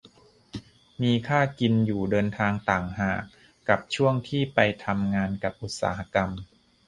มีค่ากินอยู่เดินทางต่างหาก กับช่วงที่ไปทำงานกับอุตสาหกรรม